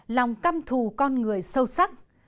lòng căm thù con người sâu sắc